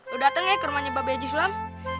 lu dateng ya ke rumahnya babe yaji sulam